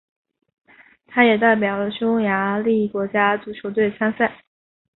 他也代表匈牙利国家足球队参赛。